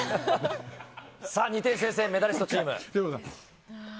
２点先制、メダリストチーム。